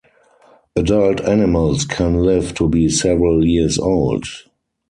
Adult animals can live to be several years old.